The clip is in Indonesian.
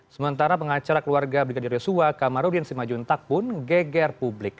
sementara pengacara keluarga brigadir yosua kamarudin simajuntak pun geger publik